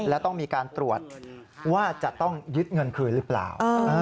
และต้องมีการตรวจว่าจะต้องยึดเงินคืนหรือเปล่า